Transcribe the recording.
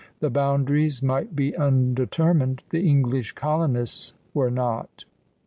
The boundaries might be undetermined; the English colonists were not.